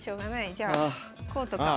じゃあこうとか。